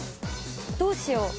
どうしよう。